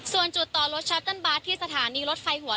ส่วนจุดต่อรถชัตเติ้ลบาสที่สถานีรถไฟหัว